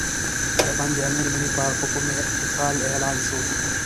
د بند امیر ملي پارک په کوم کال اعلان شو؟